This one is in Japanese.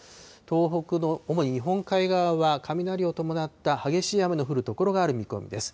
東北の主に日本海側は、雷を伴った激しい雨の降る所がある見込みです。